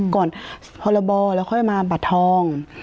ก่อนพอระบอแล้วค่อยมาบัตรทอง